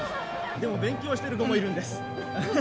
でも勉強してる子もいるんです。